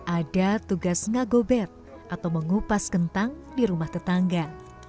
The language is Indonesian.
ada tugas ngagobert atau mengupas kentang di rumah tetangga